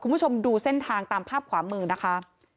คุณผู้ชมดูเส้นทางตามภาพขวามือนะคะ